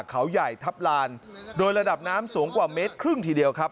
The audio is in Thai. เขาใหญ่ทัพลานโดยระดับน้ำสูงกว่าเมตรครึ่งทีเดียวครับ